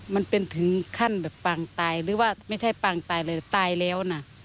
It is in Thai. มันเป็นถึงขั้นแบบปางตายหรือว่าไม่ใช่ปางตายเลยตายแล้วนะ